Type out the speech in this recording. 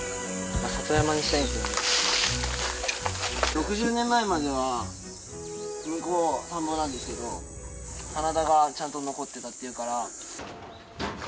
６０年前までは向こう田んぼなんですけど棚田がちゃんと残ってたっていうから。